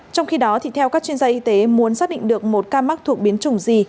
trong khi đó theo các chuyên gia y tế muốn xác định được một ca mắc thuộc biến chủng gì